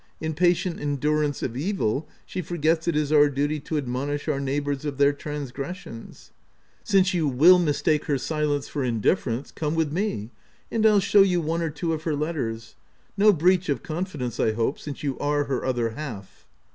In patient endurance of evil, she forgets it is our duty to admonish our neighbours of their transgressions. — Since you will mistake her silence for indifference, come with me, and I'll show you one or two of her letters — no breach of confidence, I hope, since you are her other half."